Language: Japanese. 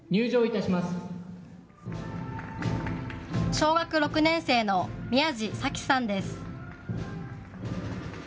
小学６年生の宮地咲希さんです。